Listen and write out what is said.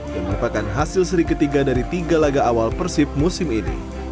yang merupakan hasil seri ketiga dari tiga laga awal persib musim ini